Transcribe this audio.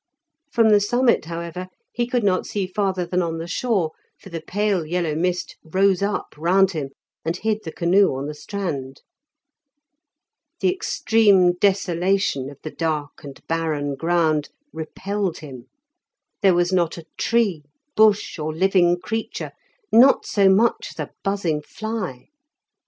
From the summit, however, he could not see farther than on the shore, for the pale yellow mist rose up round him, and hid the canoe on the strand. The extreme desolation of the dark and barren ground repelled him; there was not a tree, bush, or living creature, not so much as a buzzing fly.